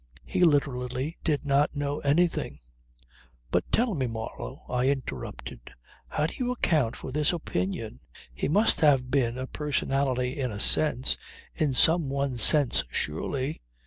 He literally did not know anything ..." "But tell me, Marlow," I interrupted, "how do you account for this opinion? He must have been a personality in a sense in some one sense surely.